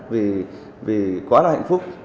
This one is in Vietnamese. vì quá là hạnh phúc